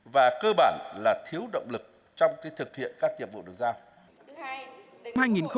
và cơ bản là thiếu động lực trong thực hiện các nhiệm vụ được giao